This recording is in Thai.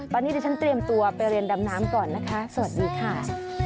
ตอนนี้ดิฉันเตรียมตัวไปเรียนดำน้ำก่อนนะคะสวัสดีค่ะ